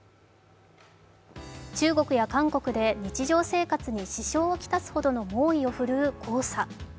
中国か韓国で日常生活に支障を来すほどの猛威を振るう黄砂。